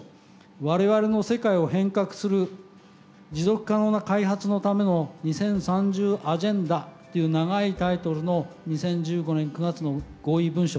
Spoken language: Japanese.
「我々の世界を変革する持続可能な開発のための２０３０アジェンダ」っていう長いタイトルの２０１５年９月の合意文書